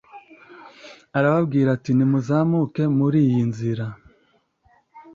arababwira ati muzamukire muri iyi nzira